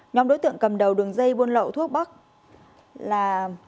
nhóm đối tượng cầm đầu đường dây buôn lậu thuốc bắc là